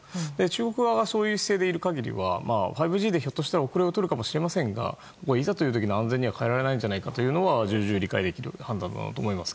中国側がそういう姿勢でいる限りは５Ｇでひょっとしたら後れを取るかもしれませんがいざという時の安全には変えられないんじゃないかというのは重々理解できる判断だと思います。